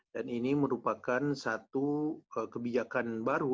dan ini merupakan satu kebijakan baru